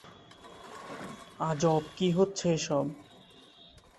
আজব কি হচ্ছে এসব?